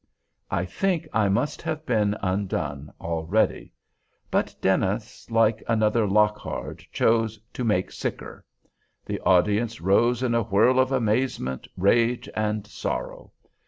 I think I must have been undone already. But Dennis, like another Lockhard chose "to make sicker." The audience rose in a whirl of amazement, rage, and sorrow.